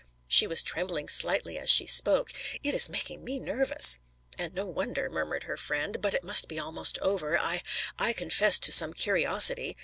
She was trembling slightly, as she spoke. "It is making me nervous." "And no wonder," murmured her friend. "But it must be almost over. I I confess to some curiosity.